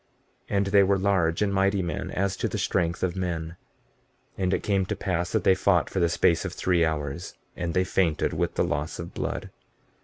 And they were large and mighty men as to the strength of men. 15:27 And it came to pass that they fought for the space of three hours, and they fainted with the loss of blood.